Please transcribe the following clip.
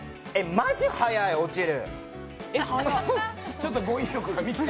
マジ速い、落ちる。